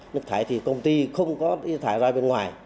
nước thải thì công ty không có thải ra bên ngoài